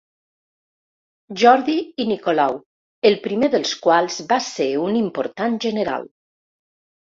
Jordi i Nicolau, el primer dels quals va ser un important general.